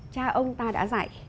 cha ông ta đã dạy